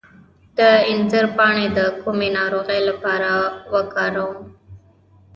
د انځر پاڼې د کومې ناروغۍ لپاره وکاروم؟